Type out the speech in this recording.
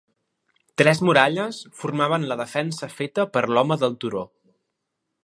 Tres muralles formaven la defensa feta per l'home del turó.